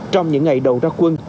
trong những ngày đầu ra quân